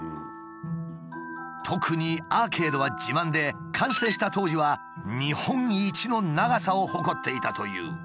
特にアーケードは自慢で完成した当時は日本一の長さを誇っていたという。